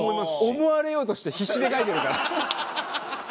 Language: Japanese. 思われようとして必死で書いてるから。